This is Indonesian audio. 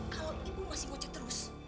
kalau ibu masih ngocek terus